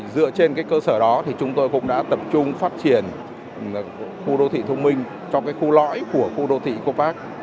dựa trên cơ sở đó chúng tôi cũng đã tập trung phát triển khu đô thị thông minh trong khu lõi của khu đô thị cô pháp